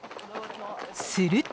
［すると］